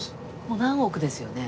もう何億ですよね？